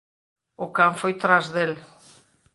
O can foi tras del.